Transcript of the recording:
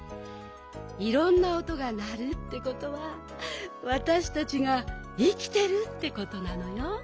いろんなおとがなるってことはわたしたちがいきてるってことなのよ。